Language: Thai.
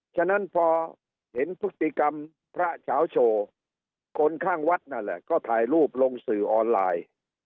ฉะนั้นพอเห็นพฤติกรรมพระเฉาโชว์คนข้างวัดนั่นแหละก็ถ่ายรูปลงสื่อออนไลน์